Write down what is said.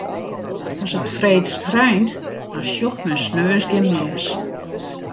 As it freeds reint, dan sjocht men sneons gjin mins.